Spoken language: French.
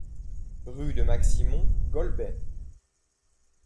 Rue de Maximont, Golbey